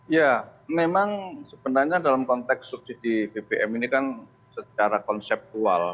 ya memang sebenarnya dalam konteks subsidi bbm ini kan secara konseptual